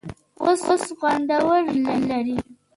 اوس خوندور ژوند لري.